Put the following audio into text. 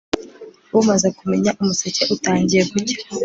Bumaze kumenya umuseke utangiye gucya